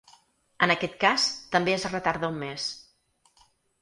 En aquest cas, també es retarda un mes.